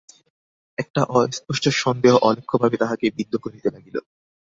একটা অস্পষ্ট সন্দেহ অলক্ষ্যভাবে তাহাকে বিদ্ধ করিতে লাগিল।